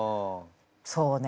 そうね